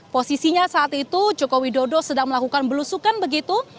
posisinya saat itu joko widodo sedang melakukan belusukan begitu